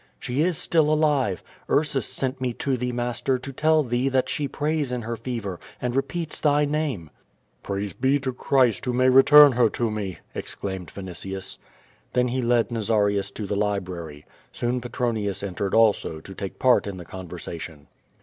"She is still alive. Ursus sent me to thee, master, to tell thee that she prays in her fever, and repeats thy name." "Praise be to Christ, who may return her to me," exclaimed Vinitius. Then he led Nazarius to the library. Soon Petronius en tered also to take part in the conversation.